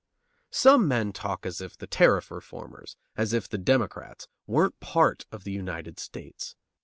Some men talk as if the tariff reformers, as if the Democrats, weren't part of the United States.